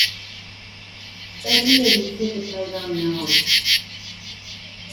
Eli le dice que traiga una orden.